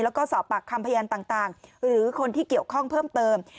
แล้วก็สอบปากคำพยานต่างหรือคนที่เกี่ยวข้องเพิ่มเติม